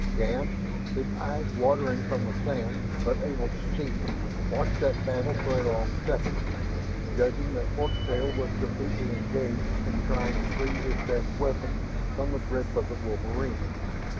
Shann, his eyes watering from the sand, but able to see, watched that battle for a long second, judging that fork tail was completely engaged in trying to free its best weapon from the grip of the wolverine.